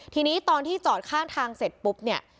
ทีนี้ตอนที่จอดข้างทางเสร็จปุ๊บเนี่ย